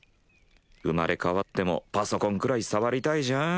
生まれ変わってもパソコンくらい触りたいじゃん。